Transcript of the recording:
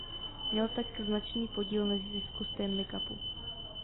Měl tak značný podíl na zisku Stanley Cupu.